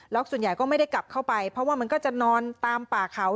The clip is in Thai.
แล้วส่วนใหญ่ก็ไม่ได้กลับเข้าไปเพราะว่ามันก็จะนอนตามป่าเขา